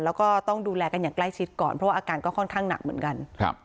แล้วก็ต้องดูแลกันอย่างใกล้ชิดก่อนเพราะว่าอาการก็ค่อนข้างหนักเหมือนกัน